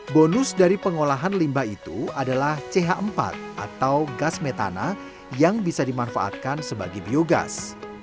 bonus dari pengolahan limbah itu adalah ch empat atau gas metana yang bisa dimanfaatkan sebagai biogas